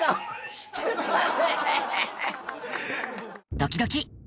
ドキドキ。